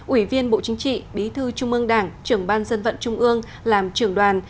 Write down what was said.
ủy viên bộ chính trị bí thư trung ương đảng trưởng ban dân vận trung ương làm trưởng đoàn